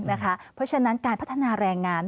เพราะฉะนั้นการพัฒนาแรงงาน